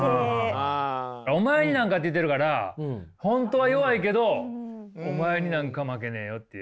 「お前になんか」って言ってるから本当は弱いけど「お前になんか負けねぇよ」っていう。